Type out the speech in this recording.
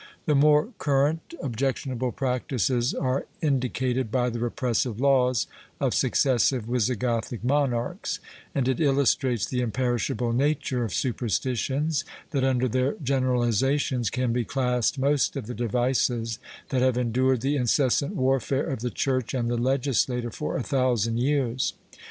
The more current objectionable practices are indicated by the repressive laws of successive Wisigothic monarchs, and it illustrates the imperishable nature of superstitions that under their generalizations can be classed most of the devices that have endured the incessant war fare of the Church and the legislator for a thousand years.